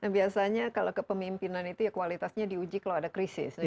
biasanya kalau kepemimpinan itu ya kualitasnya diuji kalau ada krisis